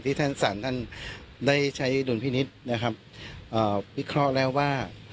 ท่านสารท่านได้ใช้ดุลพินิษฐ์นะครับวิเคราะห์แล้วว่า